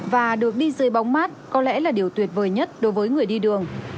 và được đi dưới bóng mát có lẽ là điều tuyệt vời nhất đối với người đi đường